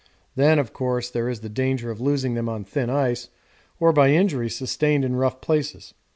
Then, of course, there is the danger of losing them on thin ice or by injury sustained in rough places.